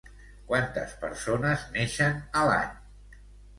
Quantes persones neixen a l'any?